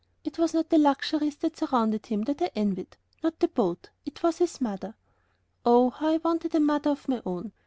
It was not the luxuries that surrounded him that I envied, not the boat. It was his mother. Oh, how I wanted a mother of my own!